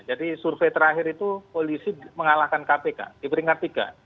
jadi survei terakhir itu polisi mengalahkan kpk di peringkat tiga